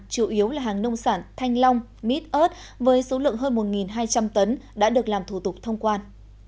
chủ yếu là hàng nông sản thanh long mít ớt với số lượng hơn một hai trăm linh tấn đã được làm thủ tục thông quan